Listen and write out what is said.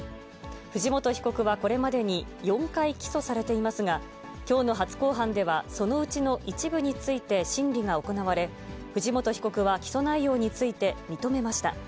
藤本被告はこれまでに４回起訴されていますが、きょうの初公判では、そのうちの一部について審理が行われ、藤本被告は起訴内容について認めました。